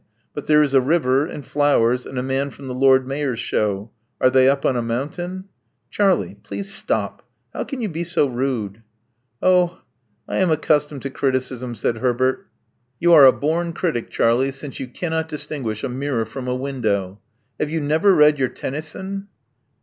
But there is a river, and flowers, and a man from the Lord Mayor's show. Are they up on a mountain?" Charlie, please stop. How can you be so rude?" 0h, I am accustomed to criticism," said Herbert. 1 8 Love Among the Artists You are a bom critic, Charlie, since you caii]K»t distinguish a mirror from a window. Have you never read your Tennyson?"